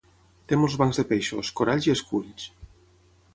Té molts bancs de peixos, coralls i esculls.